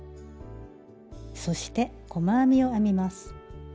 そして細編みを編みます。